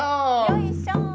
よいしょー！